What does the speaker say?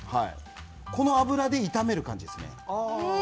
この脂で炒める感じですね。